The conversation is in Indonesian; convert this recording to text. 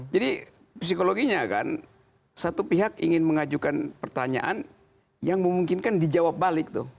jadi psikologinya kan satu pihak ingin mengajukan pertanyaan yang memungkinkan dijawab balik